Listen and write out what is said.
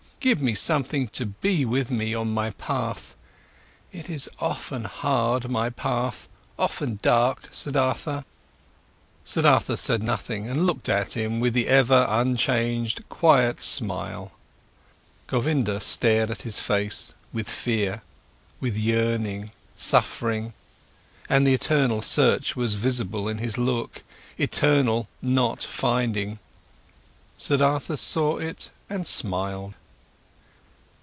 Give me something to be with me on my path. It is often hard, my path, often dark, Siddhartha." Siddhartha said nothing and looked at him with the ever unchanged, quiet smile. Govinda stared at his face, with fear, with yearning, suffering, and the eternal search was visible in his look, eternal not finding. Siddhartha saw it and smiled.